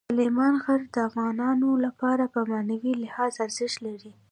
سلیمان غر د افغانانو لپاره په معنوي لحاظ ارزښت لري.